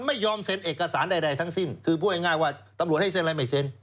ไม่ยอมเซ็นเอกสารใดทั้งสิ้นคือพูดง่ายว่าตำรวจให้เซ็นอะไรไม่เซ็น